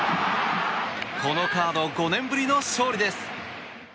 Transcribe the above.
このカード５年ぶりの勝利です！